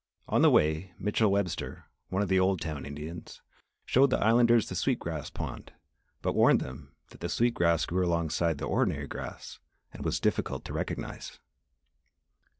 On the way, Mitchell Webster, one of the Old Town Indians, showed the Islanders the sweet grass pond but warned them that the sweet grass grew alongside the ordinary grass and was difficult to recognise.